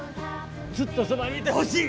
ずっとそばにいてほしい！